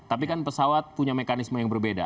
tapi kan pesawat punya mekanisme yang berbeda